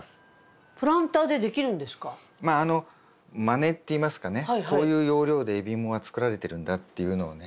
まあまねっていいますかねこういう要領で海老芋が作られてるんだっていうのをね